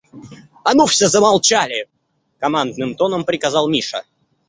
«А ну все замолчали!» — командным тоном приказал Миша.